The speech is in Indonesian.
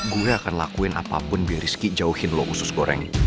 gua gak akan lakuin apapun biar rizky jauhin lo usus goreng